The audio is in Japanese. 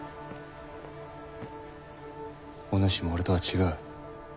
お主も俺とは違う。